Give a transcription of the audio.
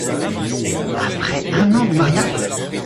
Après un an de mariage !